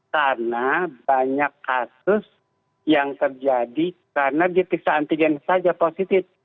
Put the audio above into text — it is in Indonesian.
karena banyak kasus yang terjadi karena dia tersisa antigen saja positif